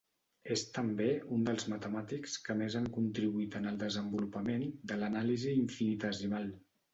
És també un dels matemàtics que més han contribuït en el desenvolupament de l'anàlisi infinitesimal.